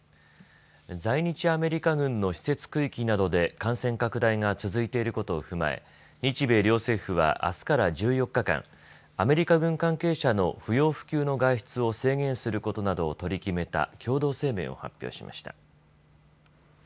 在日アメリカ軍の施設区域などで感染拡大が続いていることを踏まえ日米両政府はあすから１４日間、アメリカ軍関係者の不要不急の外出を制限することなどを取り決めた共同声明を発表しました。